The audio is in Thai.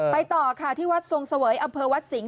ต่อค่ะที่วัดทรงเสวยอำเภอวัดสิงห